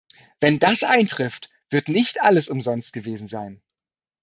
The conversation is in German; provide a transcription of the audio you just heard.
Wenn das eintrifft, wird nicht alles umsonst gewesen sein.